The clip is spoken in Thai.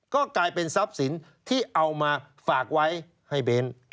ก็กลายเป็นทรัพย์สินที่เอามาฝากไว้ให้เบ้น